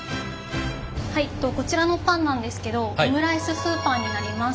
こちらのパンなんですけどオムライス風パンになります。